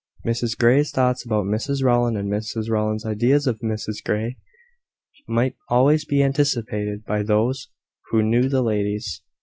Mrs Grey's thoughts about Mrs Rowland, and Mrs Rowland's ideas of Mrs Grey, might always be anticipated by those who knew the ladies.